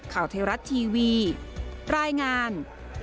ข่าวไทยรัฐทีวีรายงาน